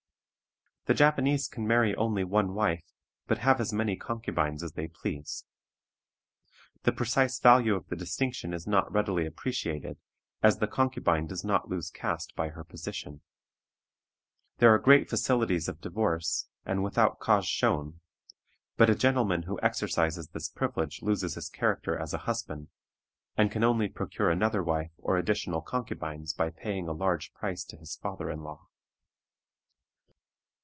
The Japanese can marry only one wife, but have as many concubines as they please. The precise value of the distinction is not readily appreciated, as the concubine does not lose caste by her position. There are great facilities of divorce, and without cause shown; but a gentleman who exercises this privilege loses his character as a husband, and can only procure another wife or additional concubines by paying a large price to his father in law.